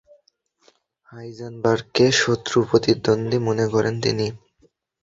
হাইজেনবার্গকে শত্রু-প্রতিদ্বন্দ্বী মনে করেন তিনি।